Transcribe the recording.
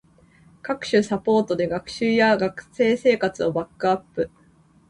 各種サポートで学習や学生生活をバックアップ